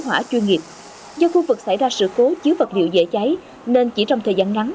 hỏa chuyên nghiệp do khu vực xảy ra sự cố chứa vật liệu dễ cháy nên chỉ trong thời gian ngắn